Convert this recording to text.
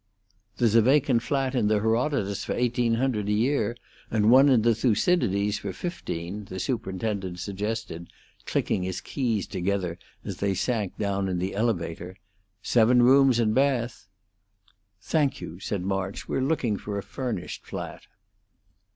"There's a vacant flat in the Herodotus for eighteen hundred a year, and one in the Thucydides for fifteen," the superintendent suggested, clicking his keys together as they sank down in the elevator; "seven rooms and bath." "Thank you," said March; "we're looking for a furnished flat."